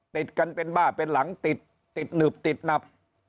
ติดกันเป็นบ้าเป็นหลังติดติดหนึบติดหนับ